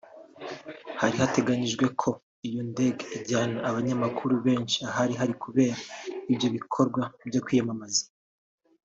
Byari biteganyijwe ko iyo ndege ijyana abanyamakuru benshi ahari hari kubera ibyo bikorwa byo kwiyamamaza